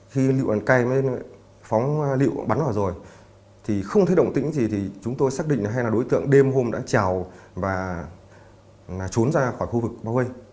khi lựu bàn cây mới phóng lựu bắn vào rồi thì không thấy động tĩnh gì thì chúng tôi xác định hay là đối tượng đêm hôm đã trèo và trốn ra khỏi khu vực bao vây